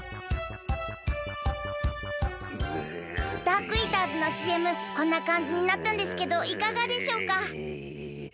ダークイーターズのＣＭこんなかんじになったんですけどいかがでしょうか？